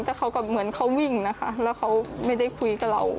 แต่เขาก็เหมือนเขาวิ่งนะคะแล้วเขาไม่ได้คุยกับเรา